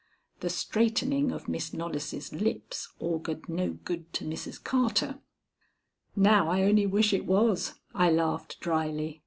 The straightening of Miss Knollys' lips augured no good to Mrs. Carter. "Now I only wish it was," I laughed dryly.